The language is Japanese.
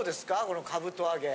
このかぶと揚げ。